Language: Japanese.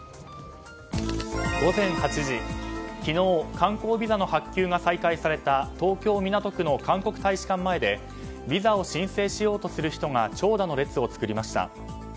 午前８時昨日観光ビザの発給が再開された東京・港区の韓国大使館前でビザを申請しようとする人が長蛇の列を作りました。